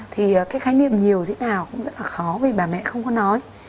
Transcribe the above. thì cái khái niệm nhiều thế nào cũng rất là khó vì bà mẹ không có nói